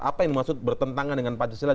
apa yang dimaksud bertentangan dengan pancasila